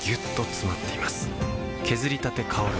削りたて香る